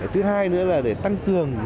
thứ hai nữa là để tăng cường